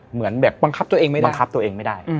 เหมือนแบบบังคับตัวเองไม่ได้บังคับตัวเองไม่ได้